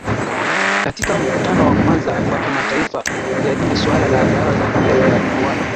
Katika mkutano wa kwanza wa kimataifa kujadili suala la dawa za kulevya kuwahi